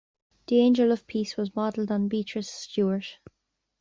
The angel of peace was modelled on Beatrice Stewart.